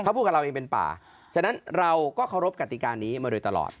เขาพูดกับเราเองเป็นป่าฉะนั้นเราก็เคารพกติการนี้มาโดยตลอด